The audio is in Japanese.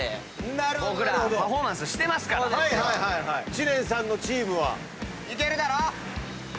知念さんのチームは？